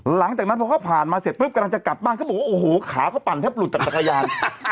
หลังจากนั้นพอเขาผ่านมาเสร็จจะกลับบ้านก็บอกว่าขาก็ปั่นแป๊บหลุดจากจักรยาน